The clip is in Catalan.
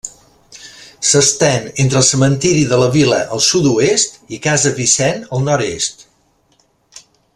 S'estén entre el cementiri de la vila, al sud-oest, i Casa Vicent, al nord-est.